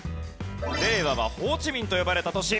令和はホーチミンと呼ばれた都市。